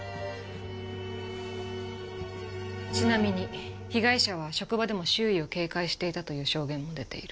ちなみに被害者は職場でも周囲を警戒していたという証言も出ている。